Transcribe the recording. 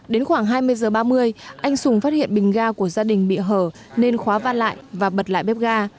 đến khoảng hai mươi h ba mươi anh sùng phát hiện bình ga của gia đình bị hở nên khóa van lại và bật lại bếp ga